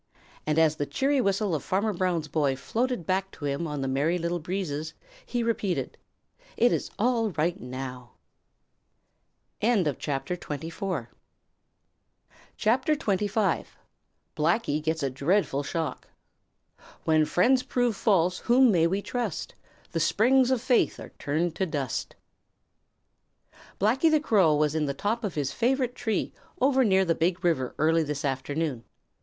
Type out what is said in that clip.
And as the cheery whistle of Farmer Brown's boy floated back to him on the Merry Little Breezes, he repeated it: "It is all right now." CHAPTER XXV: Blacky Gets A Dreadful Shock When friends prove false, whom may we trust? The springs of faith are turned to dust. Blacky the Crow. Blacky the Crow was in the top of his favorite tree over near the Big River early this afternoon.